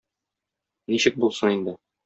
Ничек булсын инде...